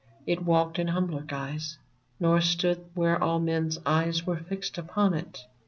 It walked in humbler guise, Nor stood where all men's eyes Were fixed upon it.